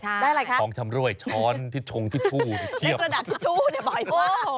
ได้อะไรคะทองชำร่วยช้อนทิชชูเด็กระดาษทิชชูเนี่ยบ่อยมาก